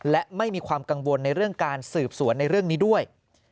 และไม่มีความกังวลในเรื่องการสืบสวนในเรื่องนี้ด้วย